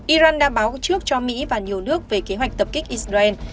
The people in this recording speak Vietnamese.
iran đã báo trước cho mỹ và nhiều nước về kế hoạch tập kích israel